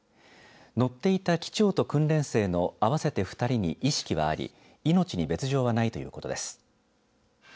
乗っていた機長と訓練生の合わせて２人に意識はあり命に別状はないということです。